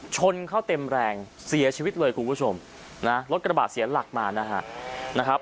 ชนเข้าเต็มแรงเสียชีวิตเลยคุณผู้ชมนะรถกระบะเสียหลักมานะฮะ